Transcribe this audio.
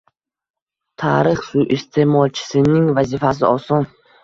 Tarix suiiste’molchisining vazifasi oson.